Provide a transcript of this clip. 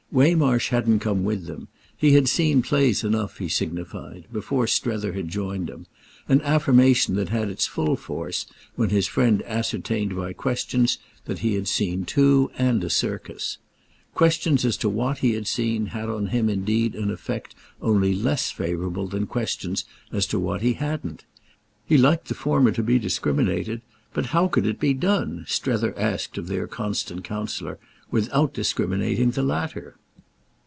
Waymarsh hadn't come with them; he had seen plays enough, he signified, before Strether had joined him—an affirmation that had its full force when his friend ascertained by questions that he had seen two and a circus. Questions as to what he had seen had on him indeed an effect only less favourable than questions as to what he hadn't. He liked the former to be discriminated; but how could it be done, Strether asked of their constant counsellor, without discriminating the latter?